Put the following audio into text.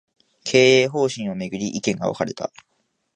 経営方針を巡り、意見が分かれた